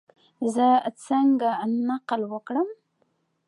زه څنګه نقل وکړم؟